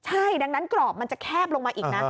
ใช่ดังนั้นกรอบมันจะแคบลงมาอีกนะ